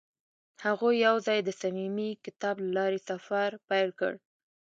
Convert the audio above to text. هغوی یوځای د صمیمي کتاب له لارې سفر پیل کړ.